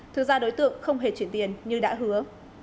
thực ra đối tượng không hề chuyển tiền như đã hứa